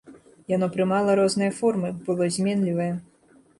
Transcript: Яно прымала розныя формы, было зменлівае.